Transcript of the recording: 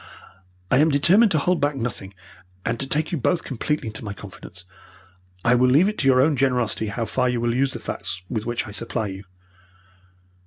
"I am determined to hold back nothing, and to take you both completely into my confidence. I will leave it to your own generosity how far you will use the facts with which I supply you."